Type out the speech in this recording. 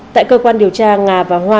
tại cơ quan điều tra ngà và hoa